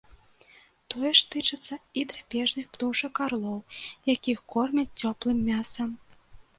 Тое ж тычыцца і драпежных птушак арлоў, якіх кормяць цёплым мясам.